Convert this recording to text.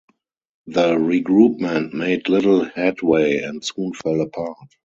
The Regroupement made little headway and soon fell apart.